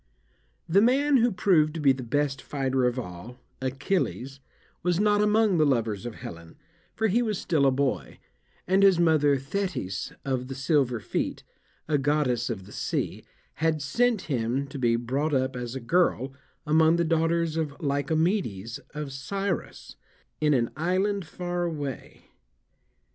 The man who proved to be the best fighter of all, Achilles, was not among the lovers of Helen, for he was still a boy, and his mother, Thetis of the silver feet, a goddess of the sea, had sent him to be brought up as a girl, among the daughters of Lycomedes of Scyros, in an island far away.